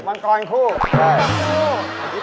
มันก่อนอีกคู่